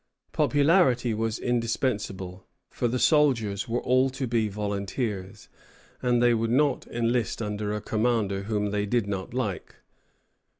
Popularity was indispensable, for the soldiers were all to be volunteers, and they would not enlist under a commander whom they did not like.